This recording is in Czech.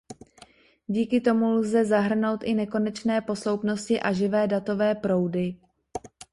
Díky tomu lze zahrnout i nekonečné posloupnosti a živé datové proudy.